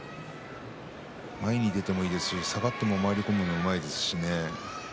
前に出てもいいですし下がっても回り込むのがうまいですからね。